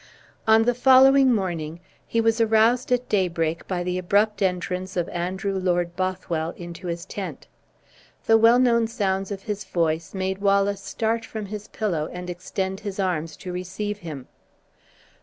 On the following morning he was aroused at daybreak by the abrupt entrance of Andrew Lord Bothwell into his tent. The well known sounds of his voice made Wallace start from his pillow, and extend his arms to receive him.